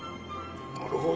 なるほど。